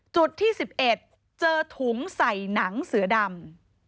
จุดที่๑๑เจอถุงใส่หนังเสือดำ